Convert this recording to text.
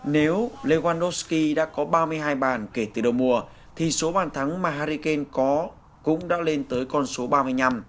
nếu lewandowski đã có ba mươi hai bàn kể từ đầu mùa thì số bàn thắng mà harry kane có cũng đã lên tới con số ba mươi năm